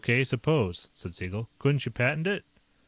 K., suppose," said Siegel. "Couldn't you patent it?"